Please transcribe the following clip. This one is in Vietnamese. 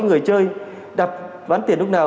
người chơi đặt ván tiền lúc nào